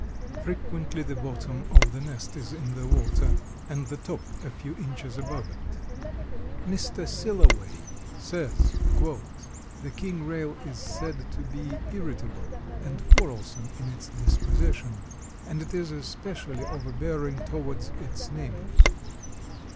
Frequently the bottom of the nest is in the water and the top a few inches above it. Mr. Silloway says: "The King Rail is said to be irritable and quarrelsome in its disposition, and it is especially overbearing toward its neighbors.